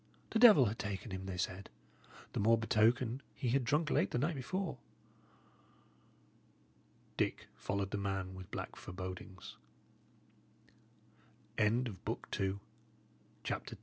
The devil had taken him, they said; the more betoken, he had drunk late the night before." Dick followed the man with black forebodings. CHAPTER III THE ROOM OVER THE CHAPEL